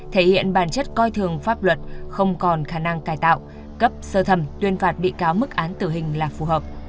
thể hiện bản chất coi thường pháp luật không còn khả năng cải tạo cấp sơ thẩm tuyên phạt bị cáo mức án tử hình là phù hợp